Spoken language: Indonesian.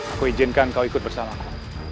aku izinkan kau ikut bersalahku